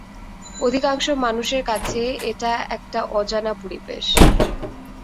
অধিকাংশ মানুষের কাছে এটা একটা অজানা পরিবেশ।